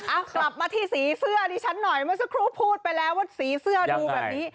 เอากลับมาที่สีเสื้อดิฉันหน่อยเมื่อสักครู่พูดไปแล้วว่าสีเสื้อดูแบบนี้